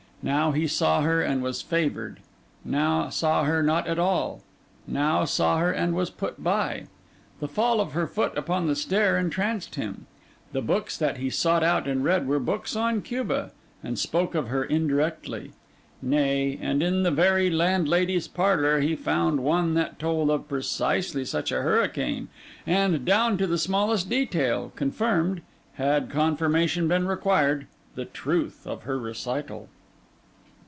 Now he saw her, and was favoured; now saw her not at all; now saw her and was put by. The fall of her foot upon the stair entranced him; the books that he sought out and read were books on Cuba, and spoke of her indirectly; nay, and in the very landlady's parlour, he found one that told of precisely such a hurricane, and, down to the smallest detail, confirmed (had confirmation been required) the truth of her recital.